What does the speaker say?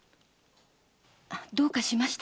どうかしました？